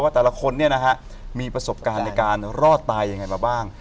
ว่าแต่ละคนเนี่ยนะฮะมีประสบการณ์ในการรอดตายยังไงมาบ้าง